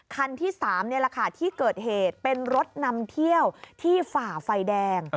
คันที่๓นี่แหละค่ะที่เกิดเหตุเป็นรถนำเที่ยวที่ฝ่าไฟแดง